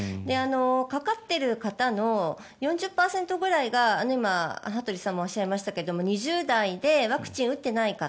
かかっている方の４０％くらいが今、羽鳥さんもおっしゃいましたけど２０代でワクチンを打ってない方。